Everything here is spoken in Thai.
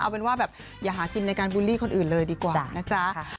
เอาเป็นว่าแบบอย่าหากินในการบูลลี่คนอื่นเลยดีกว่านะจ๊ะ